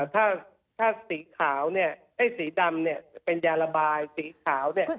ถ้าสีดำเป็นยาระบายสีขาว